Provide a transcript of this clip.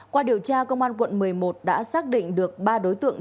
qua điều tra công an quận một mươi một đã xác định được ba đối tượng